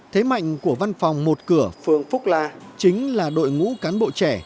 thế mạnh của văn phòng một cửa phường phúc la chính là đội ngũ cán bộ trẻ